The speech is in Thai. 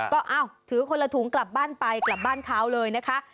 ก็ถือคนละถุงกลับบ้านไปกลับบ้านเขาเลยนะคะ